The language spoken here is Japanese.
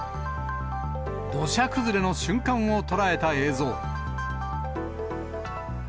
土砂崩れの瞬間を捉えた映像。